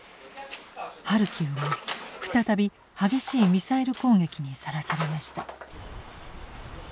ハルキウも再び激しいミサイル攻撃にさらされました。